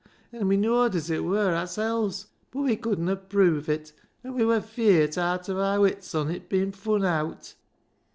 An' we knowed as it wur aarsel's, but we couldna prove it, an' we wur feart aat of aar wits on it bein' fun' aat.